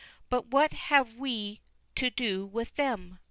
But what have we to do with them?